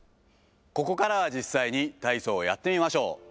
ここからは実際に体操をやってみましょう。